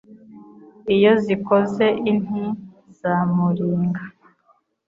Iyo zikoze inti za Muringa